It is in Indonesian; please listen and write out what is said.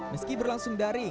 meski berlangsung dari